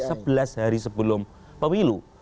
sebelas hari sebelum pewilu